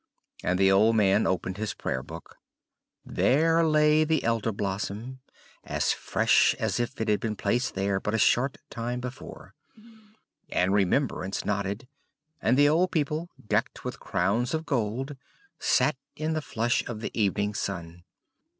And the old man opened his Prayer Book. There lay the Elder blossom, as fresh as if it had been placed there but a short time before; and Remembrance nodded, and the old people, decked with crowns of gold, sat in the flush of the evening sun.